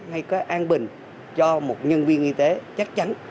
hay có an bình cho một nhân viên y tế chắc chắn